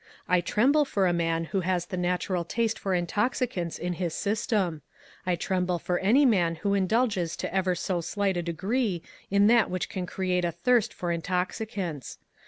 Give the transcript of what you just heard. I tremble for a man who has the natural taste for intoxi cants in "his system ; I tremble for any man who indulges to ever so slight a degree in that which can create a thirst for intoxi cants.